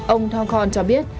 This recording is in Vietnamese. ông thongkhon cho biết